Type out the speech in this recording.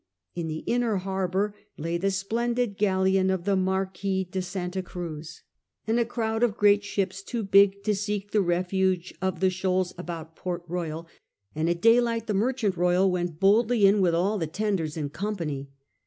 In the inner harbour lay the splendid galleon of the Marquis de Santa Cruz and a crowd of great ships IX DESTRUCTION OF THE SHIPPING 121 too big to seek the refuge of the shoals about Port Royal, and at daylight the Merchaivt Royal went boldly in with all the tenders in company.